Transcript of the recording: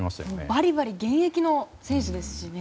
バリバリ現役の選手ですしね。